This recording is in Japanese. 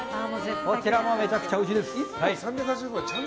こちらもめちゃくちゃおいしいです。